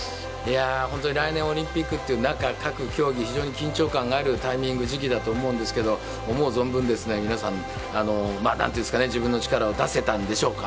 本当に来年オリンピックという中各競技、非常に緊張感のあるタイミング、時期だと思うんですけど、思う存分皆さん自分の力を出せたんでしょうか。